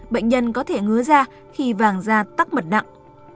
bệnh nhân có thể ngứa da khi vàng da tắc mật nặng